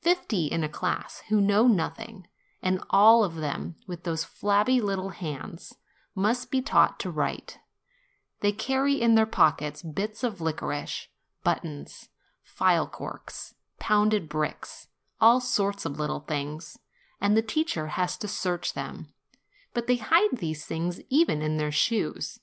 Fifty in a class, who know nothing; and all of them with those flabby little hands, must be taught to write; they carry in their pockets bits of licorice, buttons, phial corks, pounded brick, all sorts of little things, and the teacher has to search them; but they hide these objects even in their shoes.